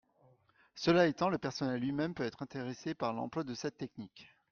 Cela étant, le personnel lui-même peut être intéressé par l’emploi de cette technique.